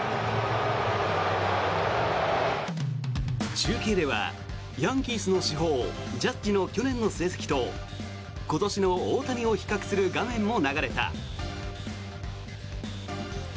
中継では、ヤンキースの主砲ジャッジの去年の成績と今年の大谷を比較する画面も流れた。